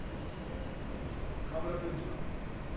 河村検事は？